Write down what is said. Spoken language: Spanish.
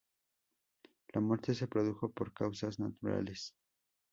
La muerte se produjo por "causas naturales".